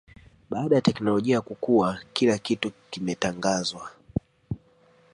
baada ya teknolojia kukua kila kitu kimetangazwa